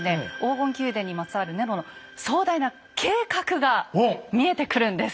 黄金宮殿にまつわるネロの壮大な計画が見えてくるんです。